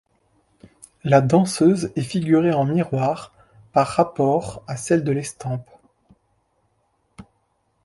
La danseuse est figurée en miroir par rapport à celle de l'estampe.